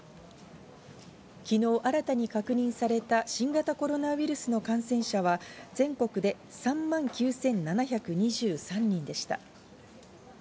昨日新たに確認された新型コロナウイルスの感染者は、全国で３万９７２３人でした。